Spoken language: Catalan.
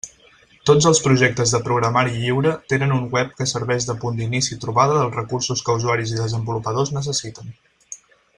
Tots els projectes de programari lliure tenen un web que serveix de punt d'inici i trobada dels recursos que usuaris i desenvolupadors necessiten.